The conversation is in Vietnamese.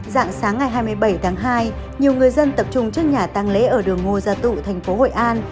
dạng sáng ngày hai mươi bảy tháng hai nhiều người dân tập trung trước nhà tăng lễ ở đường ngô gia tụ thành phố hội an